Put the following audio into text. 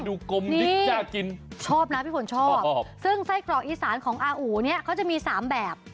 กลมนิดน่ากินชอบนะพี่ฝนชอบซึ่งไส้กรอกอีสานของอาอู๋เนี่ยเขาจะมี๓แบบ